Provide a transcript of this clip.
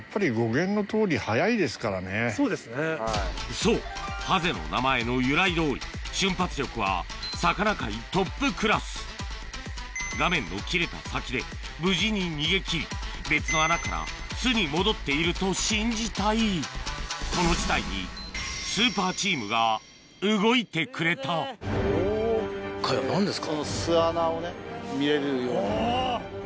そうハゼの名前の由来どおり瞬発力は魚界トップクラス画面の切れた先で無事に逃げ切り別の穴から巣に戻っていると信じたいこの事態にスーパーチームが動いてくれたこれは何ですか？